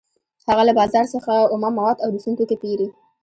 هغه له بازار څخه اومه مواد او د سون توکي پېري